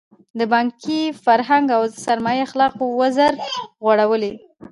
د پانګې فرهنګ او د سرمایې اخلاقو وزر غوړولی.